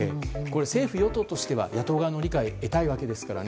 政府・与党としては野党側の理解を得たいわけですからね。